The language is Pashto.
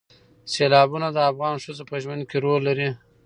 سیلابونه د افغان ښځو په ژوند کې رول لري.